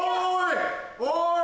・おい